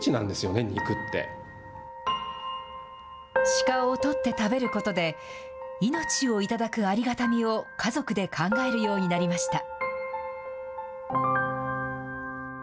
鹿を取って食べることで、命を頂くありがたみを家族で考えるようになりました。